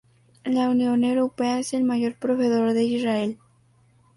La Unión Europea es el mayor proveedor de Israel.